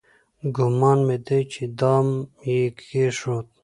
ګومان دی چې دام یې کېښود.